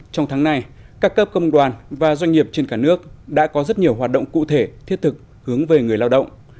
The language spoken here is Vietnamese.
trong tháng này các cấp công đoàn và doanh nghiệp trên cả nước đã có rất nhiều hoạt động cụ thể thiết thực hướng về người lao động